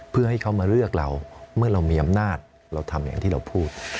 เพื่อให้เขามาเลือกเราเมื่อเรามีอำนาจเราทำอย่างที่เราพูด